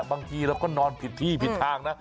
บางทีเราก็นอนผิดที่ผิดทางนะ